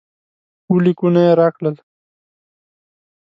اووه لیکونه یې راکړل.